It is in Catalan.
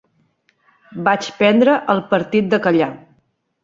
Vaig prendre el partit de callar.